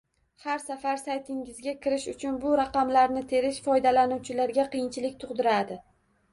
Har safar saytingizga kirish uchun bu raqamlarni terish foydalanuvchilarga qiyinchilik tug’diradi